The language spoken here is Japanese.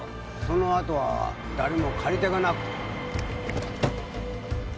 そのあとは誰も借り手がなくて。